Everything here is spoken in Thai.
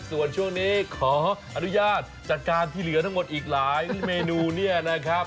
ส่วนช่วงนี้ขออนุญาตจัดการที่เหลือทั้งหมดอีกหลายเมนูเนี่ยนะครับ